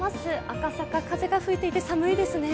赤坂、風が吹いていて寒いですね。